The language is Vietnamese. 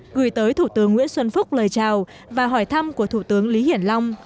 gửi tới thủ tướng nguyễn xuân phúc lời chào và hỏi thăm của thủ tướng lý hiển long